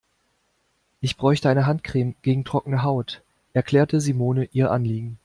Ich bräuchte eine Handcreme gegen trockene Haut, erklärte Simone ihr Anliegen.